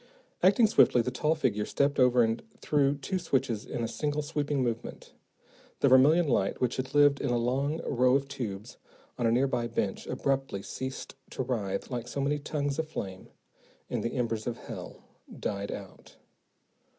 Acting swiftly, the tall figure stepped over and threw two switches in a single, sweeping movement. The vermillion light which had lived in a long row of tubes on a nearby bench abruptly ceased to writhe like so many tongues of flame, and the embers of hell died out.